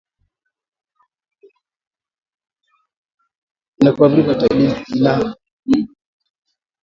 Ini kuharibika ni dalili za homa ya bonde la ufa kwa mnyama aliyekufa